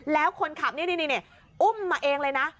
แล้วคนขับนี่อุ้มมาเองเลยนะ